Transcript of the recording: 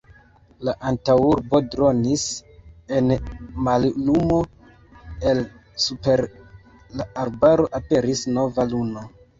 La antaŭurbo dronis en mallumo, el super la arbaro aperis nova luno.